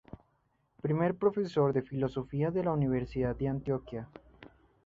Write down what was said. Primer profesor de Filosofía de la Universidad de Antioquia.